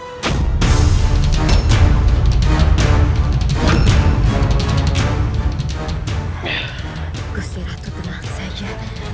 gusiratu tenang saja